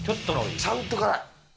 ちゃんと辛い。